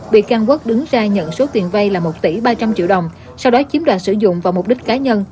bị can quốc đứng ra nhận số tiền vay là một tỷ ba trăm linh triệu đồng sau đó chiếm đoạt sử dụng vào mục đích cá nhân